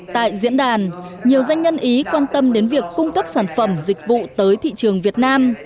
tại diễn đàn nhiều doanh nhân ý quan tâm đến việc cung cấp sản phẩm dịch vụ tới thị trường việt nam